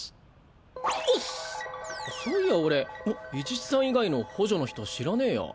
そういや俺伊地知さん以外の補助の人知らねぇや。